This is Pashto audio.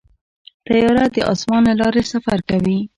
طیاره د اسمان له لارې سفر کوي.